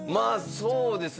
そうですね